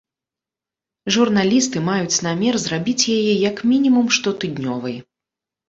Журналісты маюць намер зрабіць яе як мінімум штотыднёвай.